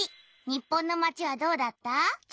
日本のまちはどうだった？